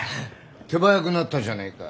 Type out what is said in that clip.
手早くなったじゃねえか。